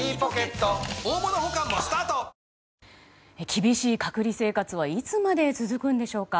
厳しい隔離生活はいつまで続くんでしょうか。